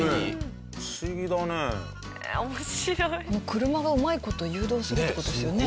車がうまい事誘導するって事ですよね？